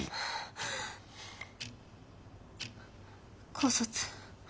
高卒。